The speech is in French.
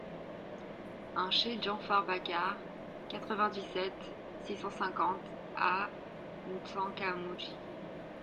un cHE DJANFAR BACAR, quatre-vingt-dix-sept, six cent cinquante à M'Tsangamouji